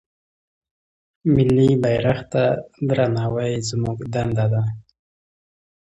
ملي بيرغ ته درناوی زموږ دنده ده.